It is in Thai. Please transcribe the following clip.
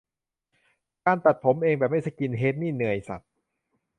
การตัดผมเองแบบไม่สกินเฮดนี่เหนื่อยสัส